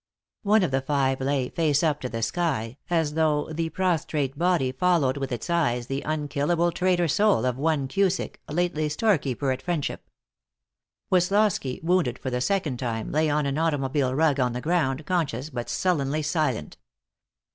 Of the five one lay, face up to the sky, as though the prostrate body followed with its eyes the unkillable traitor soul of one Cusick, lately storekeeper at Friendship. Woslosky, wounded for the second time, lay on an automobile rug on the ground, conscious but sullenly silent.